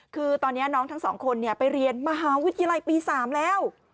คือตอนนี้น้องทั้งสองคนไปเรียนมหาวิทยาลัยปี๓แล้ว